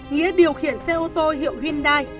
nghĩa điều khiển xe ô tô hiệu hyundai